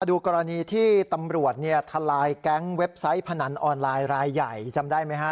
ดูกรณีที่ตำรวจเนี่ยทลายแก๊งเว็บไซต์พนันออนไลน์รายใหญ่จำได้ไหมฮะ